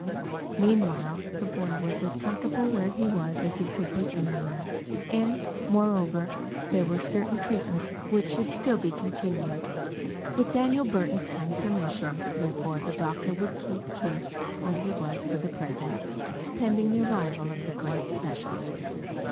Meanwhile, the boy was as comfortable where he was as he could be anywhere, and, moreover, there were certain treatments which should still be continued. With Daniel Burton's kind permission, therefore, the doctor would keep Keith where he was for the present, pending the arrival of the great specialist.